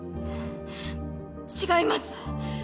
違います！